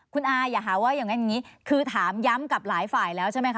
คุณอาอย่าหาว่าอย่างนั้นอย่างนี้คือถามย้ำกับหลายฝ่ายแล้วใช่ไหมคะ